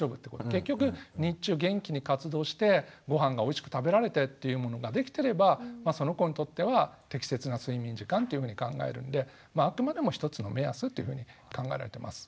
結局日中元気に活動してごはんがおいしく食べられてというものができてればその子にとっては適切な睡眠時間というふうに考えるんであくまでも一つの目安というふうに考えられてます。